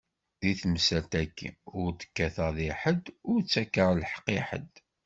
Di temsalt-agi, ur d-kkateɣ di ḥedd, ur ttakkeɣ lheqq i ḥedd.